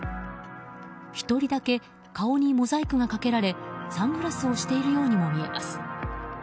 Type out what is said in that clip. １人だけ顔にモザイクがかけられサングラスをしているようにも見えます。